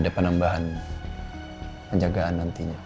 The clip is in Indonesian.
ada penambahan penjagaan nantinya